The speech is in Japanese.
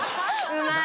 うまい。